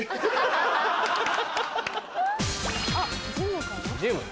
あっジムかな？